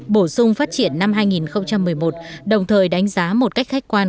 bổ sung phát triển năm hai nghìn một mươi một đồng thời đánh giá một cách khách quan